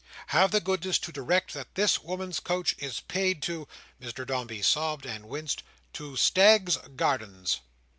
Have the goodness to direct that this woman's coach is paid to"—Mr Dombey stopped and winced—"to Staggs's Gardens."